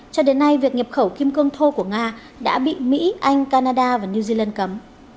cho đến nay việc nhập khẩu kim cương thô của nga đã bị mỹ anh canada và new zealand cấm